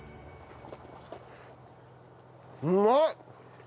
うまい！